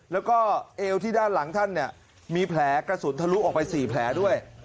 แล้วก็เอวที่ด้านหลังท่านเนี่ยมีแผลกระสุนทะลุออกไป๔แผลด้วย